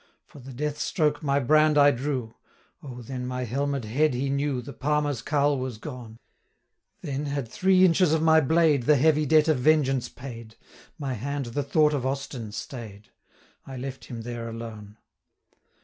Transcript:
For the death stroke my brand I drew, (O then my helmed head he knew, The Palmer's cowl was gone,) 245 Then had three inches of my blade The heavy debt of vengeance paid, My hand the thought of Austin staid; I left him there alone.